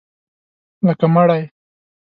لکه مړی